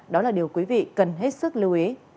đó là điều quý vị cần hết sức lưu ý